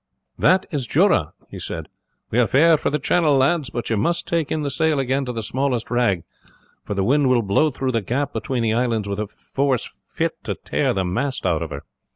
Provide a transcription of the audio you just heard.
"That is Jura," he said; "we are fair for the channel, lads, but you must take in the sail again to the smallest rag, for the wind will blow through the gap between the islands with a force fit to tear the mast out of her."